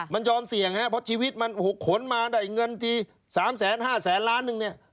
มันยอมเสี่ยงนะครับเพราะชีวิตมันขนมาได้เงินทีสามแสนห้าแสนล้านนึงเนี่ย